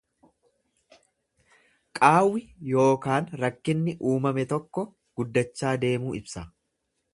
Qaawwi yookaan rakkinni uumame tokko guddachaa deemuu ibsa.